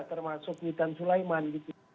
termasuk witan sulaiman gitu